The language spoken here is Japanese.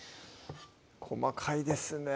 細かいですね